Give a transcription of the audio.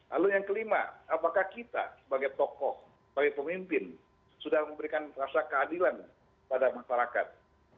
lalu yang kelima apakah kita sebagai tokoh sebagai pemimpin sudah memberikan rasa keadilan pada masyarakat